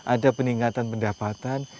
ada peningkatan pendapatan